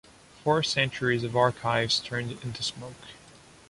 Four centuries of archives turned into smoke.